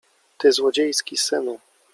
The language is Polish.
Ty złodziejski synu!